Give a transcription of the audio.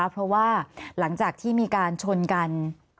เพราะว่าหลังจากที่มีการชนกัน